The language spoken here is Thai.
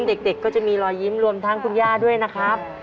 เด็กก็จะมีรอยยิ้มรวมทั้งคุณย่าด้วยนะครับ